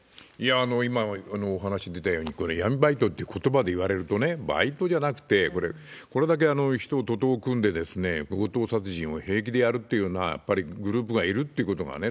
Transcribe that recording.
今、お話出たように、闇バイトってことばで言われると、バイトじゃなくて、これ、これだけ人、徒党を組んで強盗殺人を平気でやるような、やっぱりグループがいるっていうことがね。